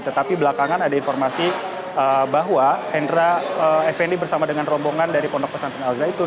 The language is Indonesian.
tetapi belakangan ada informasi bahwa hendra effendi bersama dengan rombongan dari pondok pesantren al zaitun